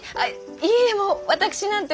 いえもう私なんて